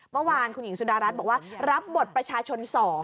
เมื่อวานคุณหญิงสุดารัฐบอกว่ารับบทประชาชน๒